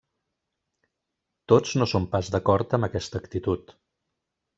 Tots no són pas d'acord amb aquesta actitud.